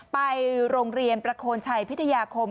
ไปโรงเรียนประโคนชัยพิทยาคม